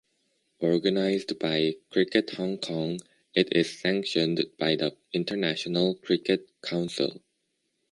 Organised by Cricket Hong Kong, it is sanctioned by the International Cricket Council.